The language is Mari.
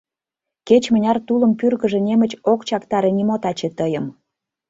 Кеч мыняр тулым пӱргыжӧ немыч, ок чактаре нимо таче тыйым.